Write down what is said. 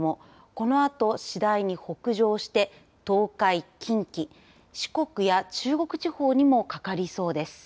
このあと次第に北上して東海、近畿、四国や中国地方にもかかりそうです。